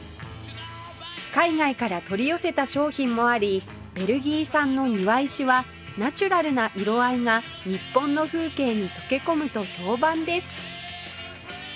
海外から取り寄せた商品もありベルギー産の庭石はナチュラルな色合いが日本の風景に溶け込むと評判です